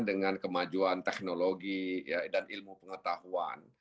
dengan kemajuan teknologi dan ilmu pengetahuan